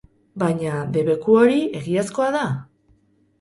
Baina, debeku hori, egiazkoa da?